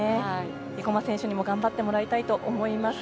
生馬選手にも頑張ってもらいたいと思います。